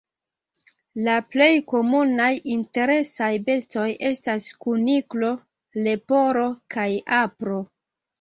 La plej komunaj interesaj bestoj estas kuniklo, leporo kaj apro.